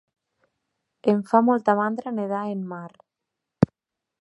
Em fa molta mandra nedar en mar.